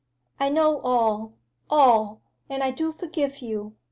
'I know all all. And I do forgive you.